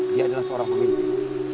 dia adalah seorang pemimpin